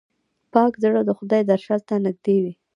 پاک زړه د خدای درشل ته نږدې وي.